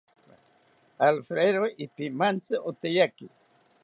Alfredo ipimantzi oteyaki